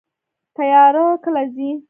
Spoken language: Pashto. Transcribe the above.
تیاره کله ځي؟